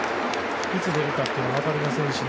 いつ出るか分かりませんし。